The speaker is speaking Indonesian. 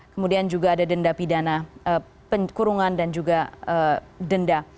kemudian juga ada denda pidana kurungan dan juga denda